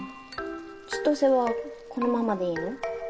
千歳はこのままでいいの？